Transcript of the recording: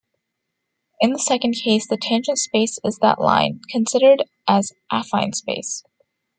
In the second case, the tangent space is that line, considered as affine space.